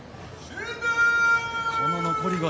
この残り腰。